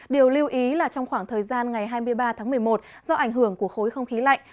điều lưu ý là trong khoảng thời gian ngày hai mươi ba tháng một mươi một do ảnh hưởng của khối không khí lạnh